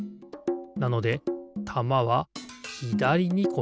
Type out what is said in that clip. なのでたまはひだりにころがる。